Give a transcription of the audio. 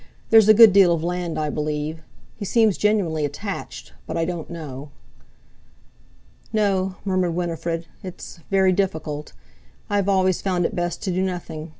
There's a good deal of land, I believe. He seems genuinely attached. But I don't know." "No," murmured Winifred; "it's—very difficult. I always found it best to do nothing.